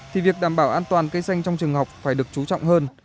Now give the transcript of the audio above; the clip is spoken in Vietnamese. thì việc đảm bảo an toàn cây xanh trong trường học phải được chú trọng hơn